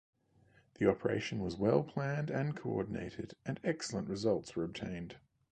The operation was well-planned and coordinated, and excellent results were obtained.